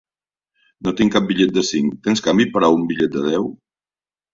No tinc cap bitllet de cinc. Tens canvi per a un bitllet de deu?